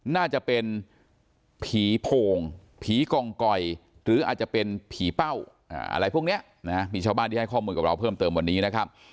น่าจะเป็นผีโพงผีกองกอยหรืออาจจะเป็นผีเป้าอะไรพวกนี้นะฮะมีชาวบ้านที่ให้ข้อมูลกับเราเพิ่มเติมวันนี้นะครับ